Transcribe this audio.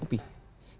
pemerintah kan tercukupi